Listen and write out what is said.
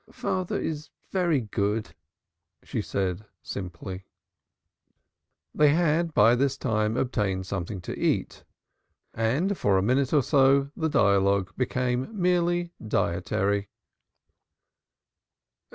"Father is very good," she said simply. They had by this time obtained something to eat, and for a minute or so the dialogue became merely dietary.